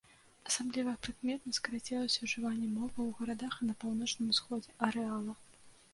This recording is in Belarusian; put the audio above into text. Асабліва прыкметна скарацілася ўжыванне мовы ў гарадах і на паўночным усходзе арэала.